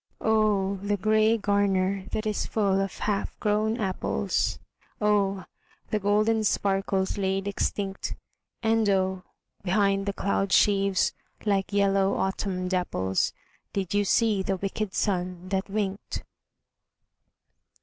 Oh, the grey garner that is full of half grown apples, Oh, the golden sparkles laid extinct ! And oh, behind the cloud sheaves, like yellow autumn dapples, Did you see the wicked sun that winked?